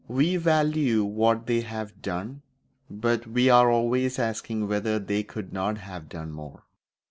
We value what they have done, but we are always asking whether they could not have done more.